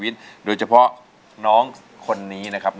น้องปอนด์ร้องได้ให้ร้อง